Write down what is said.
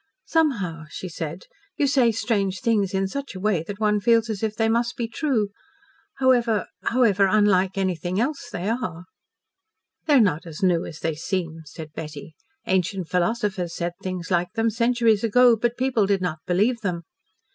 "Somehow," she said, "you say strange things in such a way that one feels as if they must be true, however however unlike anything else they are." "They are not as new as they seem," said Betty. "Ancient philosophers said things like them centuries ago, but people did not believe them.